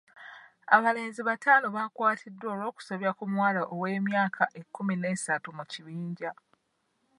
Abalenzi bataano baakwatiddwa olw'okusobya ku muwala ow'emyaka ekkumi n'esatu mu kibinja.